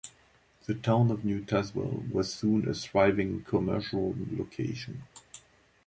The town of New Tazewell was soon a thriving commercial location.